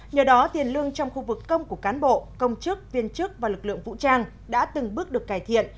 nhờ đó tiền lương trong khu vực công của cán bộ công chức viên chức và lực lượng vũ trang đã từng bước được cải thiện